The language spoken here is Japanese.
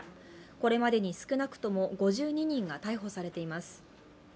これまでに少なくとも５２人が逮捕されています